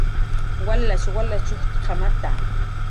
Walachn ujtqamata